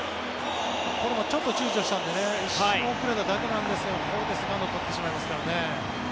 ちょっと躊躇したので一瞬遅れただけなんですがこれでセカンドまで行ってしまいますからね。